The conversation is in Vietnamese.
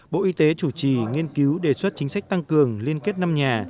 bộ y tế chủ trì nghiên cứu đề xuất chính sách tăng cường liên kết năm nhà